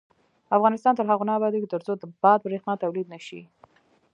افغانستان تر هغو نه ابادیږي، ترڅو د باد بریښنا تولید نشي.